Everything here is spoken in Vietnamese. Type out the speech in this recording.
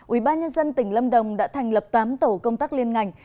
ubnd tỉnh lâm đồng đã thành lập tám tổ công tác liên ngành